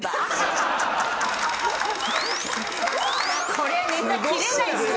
こりゃネタ切れないですよ。